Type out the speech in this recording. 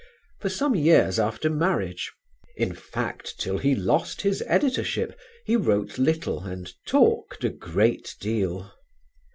For some years after marriage; in fact, till he lost his editorship, he wrote little and talked a great deal.